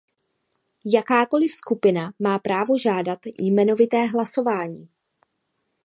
Jakákoliv skupina má právo žádat jmenovité hlasování.